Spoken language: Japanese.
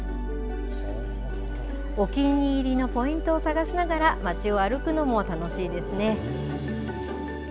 お気に入りのポイントを探しながら街を歩くのも楽しいですね。